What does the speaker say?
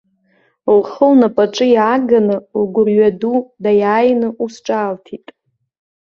Лхы лнапаҿы иааганы, лгәырҩа ду даиааины, ус ҿаалҭит.